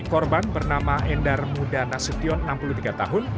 korban bernama endar muda nasution enam puluh tiga tahun